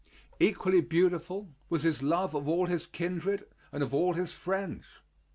Equally beautiful was his love of all his kindred and of all his friends.